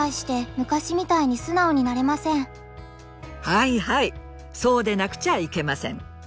はいはいそうでなくちゃいけません。